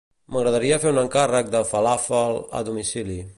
M'agradaria fer un encàrrec de falàfel a domicili.